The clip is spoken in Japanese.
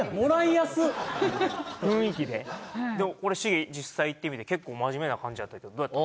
でもこれシゲ実際行ってみて結構真面目な感じやったけどどうやった？